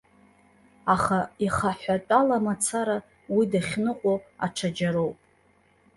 Аха ихаҳәатәала мацара уи дахьныҟәо аҽаџьароуп.